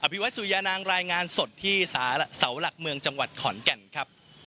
ภิวัตสุยานางรายงานสดที่เสาหลักเมืองจังหวัดขอนแก่นครับ